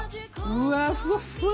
うわふわふわ。